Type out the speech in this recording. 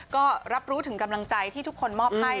ก็รับรู้ถึงกำลังใจที่ทุกคนมอบให้